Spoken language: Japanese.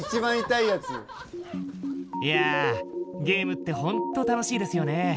いやゲームってほんと楽しいですよね。